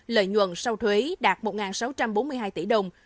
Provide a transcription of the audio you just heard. lợi nhuận sau thuế đạt một sáu trăm bốn mươi hai tỷ đồng